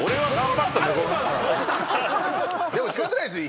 でも仕方ないっすよ